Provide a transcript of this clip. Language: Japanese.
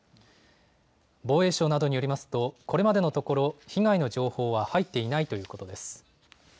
防衛省などによりますとこれまでのところ被害の情報は入っていないということです。